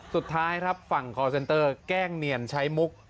สุดท้ายครับฝั่งคอร์เซ็นเตอร์แกล้งเนียนใช้มุก